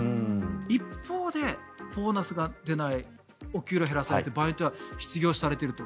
一方で、ボーナスが出ないお給料を減らされてバイトを失業されていると。